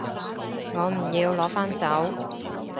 我唔要，攞返走